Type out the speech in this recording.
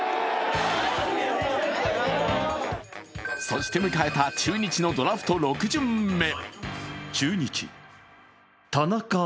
そして迎えた中日のドラフト６巡目。